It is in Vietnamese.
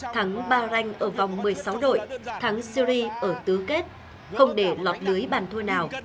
thắng ba ranh ở vòng một mươi sáu đội thắng syri ở tứ kết không để lọt lưới bàn thua nào